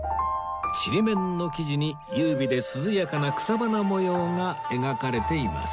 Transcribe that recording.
ちりめんの生地に優美で涼やかな草花模様が描かれています